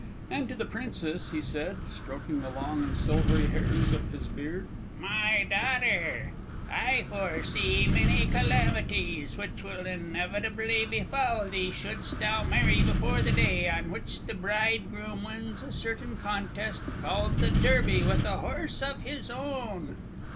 And to the Princess he said, stroking the long and silvery hairs of his beard, "My daughter, I foresee many calamities which will inevitably befall thee shouldest thou marry before the day on which the bridegroom wins a certain contest called the Derby with a horse of his own."